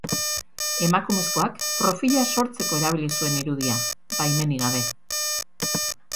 Emakumezkoak profila sortzeko erabili zuen irudia, baimenik gabe.